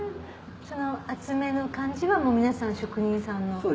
その厚めの感じは皆さん職人さんの。